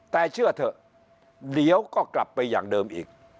แต่เชื่อเถอะเดี๋ยวก็กลับไปอย่างเดิมอีก